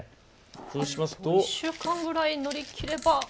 そうしますと、あと１週間ぐらい乗り切れば？